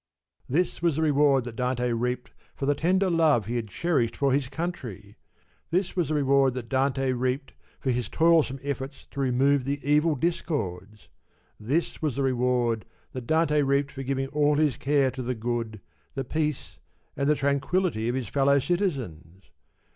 This was the reward that Dante reaped for the tender love he had cherished for his country ! This was the reward that Dante reaped for his toilsome efforts to remove the evil discords ! This was the reward that Dante reaped for giving all his care to the good, the peace and the tranquillity of his fellow citizens